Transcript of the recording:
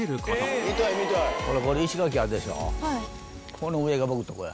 この上が僕のとこや。